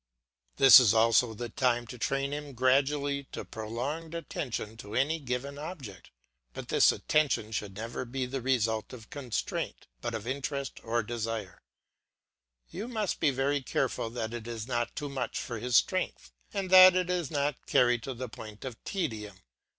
This is also the time to train him gradually to prolonged attention to a given object; but this attention should never be the result of constraint, but of interest or desire; you must be very careful that it is not too much for his strength, and that it is not carried to the point of tedium.